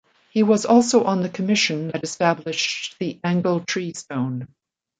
He was also on the commission that established the Angle Tree Stone.